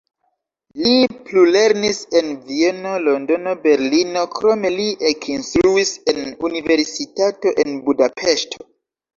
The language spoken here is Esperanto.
Li plulernis en Vieno, Londono Berlino, krome li ekinstruis en universitato en Budapeŝto.